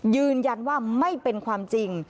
ยืนยันว่าไม่เป็นความจริง